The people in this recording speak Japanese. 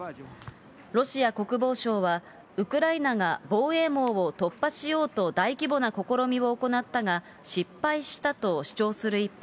ロシア国防省は、ウクライナが防衛網を突破しようと大規模な試みを行ったが、失敗したと主張する一方、